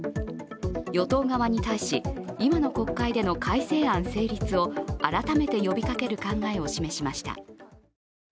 与党側に対し、今の国会での改正案成立を改めて呼びかける考を示しました。